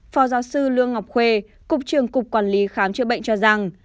phó giáo sư lương ngọc khuê cục trưởng cục quản lý khám chữa bệnh cho rằng